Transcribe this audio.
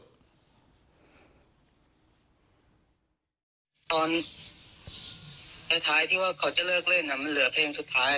ตอนท้ายที่ว่าเขาจะเลิกเล่นมันเหลือเพลงสุดท้าย